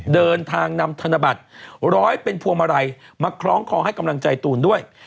เดินทางนำธนบัตรร้อยเป็นพวงมาลัยมาคล้องคอให้กำลังใจตูนด้วย